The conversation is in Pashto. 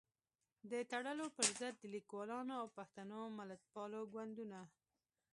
د تړلو پر ضد د ليکوالانو او پښتنو ملتپالو ګوندونو